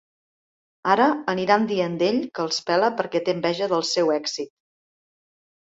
Ara aniran dient d'ell que els pela perquè té enveja del seu èxit.